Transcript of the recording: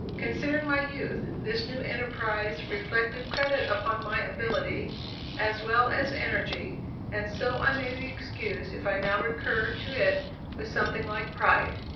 Considering my youth, this new enterprise reflected credit upon my ability, as well as energy, and so I may be excused if I now recur to it with something like pride.